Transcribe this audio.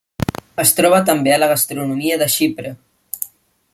Es troba també a la gastronomia de Xipre.